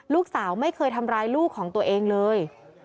ลูกสาวไม่เคยทำร้ายลูกของตัวเองเลย